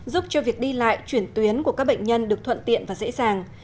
giúp cho việc đi lại chuyển tuyến của các bệnh nhân được thuận tiện và dễ dàng